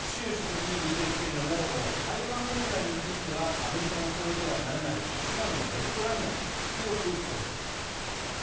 習主席ですが台湾問題についてはアメリカが超えてはならない一番のレッドラインだと強く主張しました。